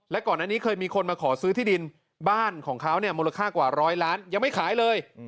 และก่อนอันนี้เคยมีคนมาขอซื้อที่ดินบ้านของเขาเนี่ยมูลค่ากว่าร้อยล้านยังไม่ขายเลย